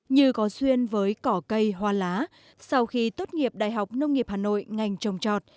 như có xuyên với cỏ cây hoa lá sau khi tốt nghiệp đại học nông nghiệp hà nội ngành trồng trọt